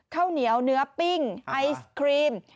ข้าวเหนียวเนื้อปิ้งไอศครีม